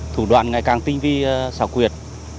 thủ đoạn ngày càng tinh vi xảo quyệt